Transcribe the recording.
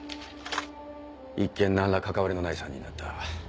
一見何ら関わりのない３人だった。